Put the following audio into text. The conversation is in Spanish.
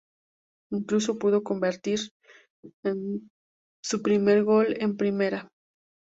Incluso pudo convertir su primer gol en Primera.